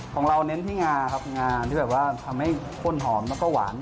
ของเราเน้นที่งาครับงาที่แบบว่าทำให้ข้นหอมแล้วก็หวาน